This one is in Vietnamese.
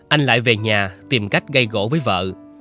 anh lại về nhà tìm cách gây gỗ với vợ